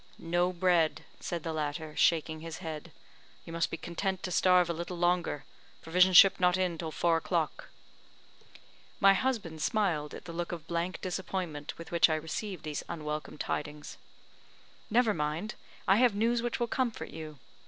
"No bread," said the latter, shaking his head; "you must be content to starve a little longer. Provision ship not in till four o'clock." My husband smiled at the look of blank disappointment with which I received these unwelcome tidings, "Never mind, I have news which will comfort you.